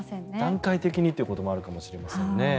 段階的にということもあるかもしれませんね。